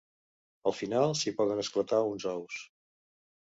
Al final s'hi poden esclatar uns ous.